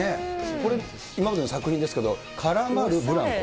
これ今までの作品ですけど、絡まるブランコ。